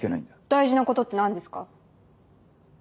大事なことって何ですか？